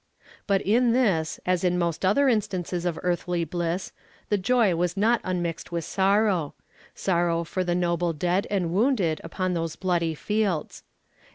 But in this, as in most other instances of earthly bliss, the joy was not unmixed with sorrow sorrow for the noble dead and wounded upon those bloody fields.